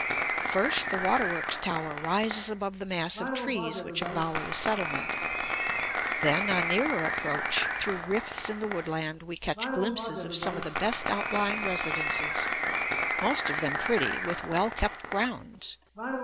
First, the water works tower rises above the mass of trees which embower the settlement. Then, on nearer approach, through rifts in the woodland we catch glimpses of some of the best outlying residences, most of them pretty, with well kept grounds.